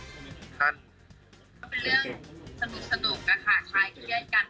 เป็นเรื่องสนุกค่ะคลายเครียดกัน